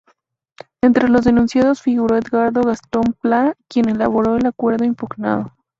Entre los denunciados figuró Edgardo Gastón Plá, quien elaboró el acuerdo impugnado.